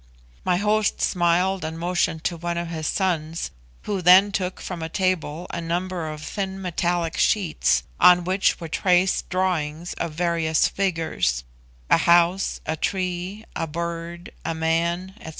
My host smiled and motioned to one of his sons, who then took from a table a number of thin metallic sheets on which were traced drawings of various figures a house, a tree, a bird, a man, &c.